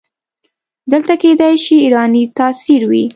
دلته کیدای شي ایرانی تاثیر وي.